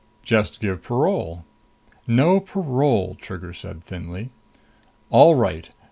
"Just give parole." "No parole," Trigger said thinly. "All right.